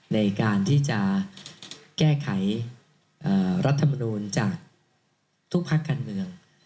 ในการที่จะแก้ไขรัฐมนูลจากทุกภาคการเมือง